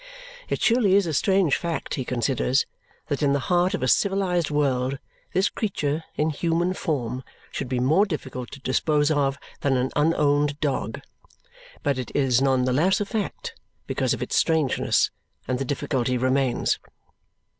"It surely is a strange fact," he considers, "that in the heart of a civilized world this creature in human form should be more difficult to dispose of than an unowned dog." But it is none the less a fact because of its strangeness, and the difficulty remains.